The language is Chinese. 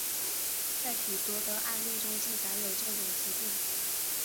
在许多的案例中记载有这种疾病。